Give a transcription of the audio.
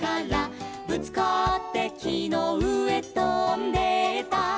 「ぶつかってきのうえとんでった」